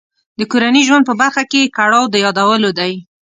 د کورني ژوند په برخه کې یې کړاو د یادولو دی.